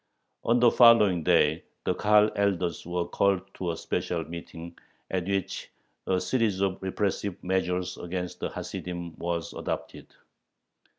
On the following day the Kahal elders were called to a special meeting, at which a series of repressive measures against the Hasidim was adopted.